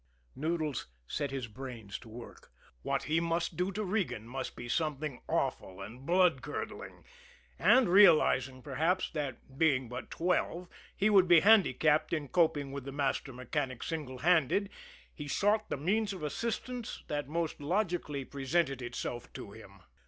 Noodles set his brains to work. What he must do to Regan must be something awful and bloodcurdling; and, realizing, perhaps, that, being but twelve, he would be handicapped in coping with the master mechanic single handed, he sought the means of assistance that most logically presented itself to him.